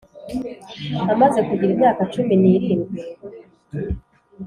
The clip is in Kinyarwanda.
amaze kugira imyaka cumi ni rindwi